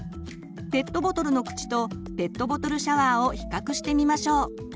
ペットボトルの口とペットボトルシャワーを比較してみましょう。